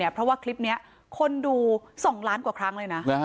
เพราะว่าคลิปนี้คนดู๒ล้านกว่าครั้งเลยนะ